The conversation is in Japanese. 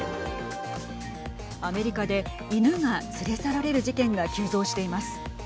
アメリカで犬が連れ去られる事件が急増しています。